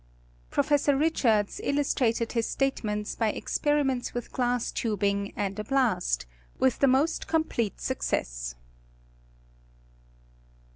Professor Richards illustrated his statements by experiments with glass tubing and a blast, wilh the most complete success.